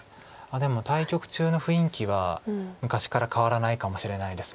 でも対局中の雰囲気は昔から変わらないかもしれないです。